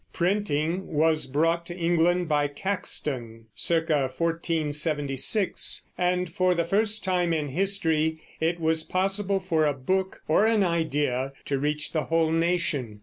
Printing was brought to England by Caxton (c. 1476), and for the first time in history it was possible for a book or an idea to reach the whole nation.